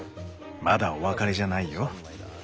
まだお別れじゃないよ。